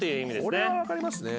これは分かりますね。